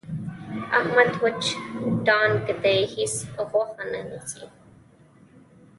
احمد وچ ډانګ دی. هېڅ غوښه نه نیسي.